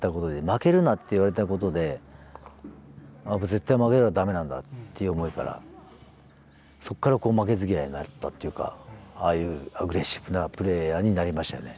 負けるなって言われたことで絶対負けたら駄目なんだっていう思いからそこから負けず嫌いになったっていうかああいうアグレッシブなプレーヤーになりましたね。